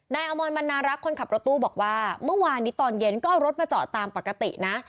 อมรบรรณารักษ์คนขับรถตู้บอกว่าเมื่อวานนี้ตอนเย็นก็เอารถมาจอดตามปกตินะ